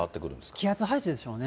気圧配置でしょうね。